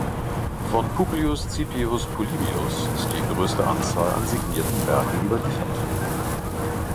Von Publius Cipius Polybius ist die größte Anzahl an signierten Werken überliefert.